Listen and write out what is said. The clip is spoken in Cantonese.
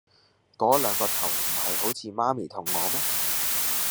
嗰兩個頭唔係好似媽咪同我咩